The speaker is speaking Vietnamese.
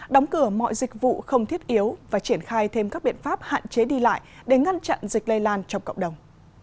đóng cửa mọi dịch vụ không thiết yếu và triển khai thêm các biện pháp hạn chế đi lại để ngăn chặn dịch lây lan trong cộng đồng